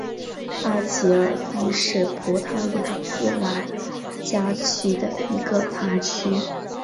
阿吉尔迪是葡萄牙布拉加区的一个堂区。